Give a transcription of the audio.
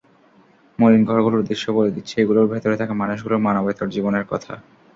মলিন ঘরগুলোর দৃশ্য বলে দিচ্ছে এগুলোর ভেতরে থাকা মানুষগুলোর মানবেতর জীবনের কথা।